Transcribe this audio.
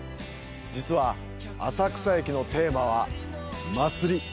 実は浅草駅のテーマは、祭り。